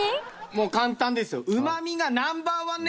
もう簡単ですよ。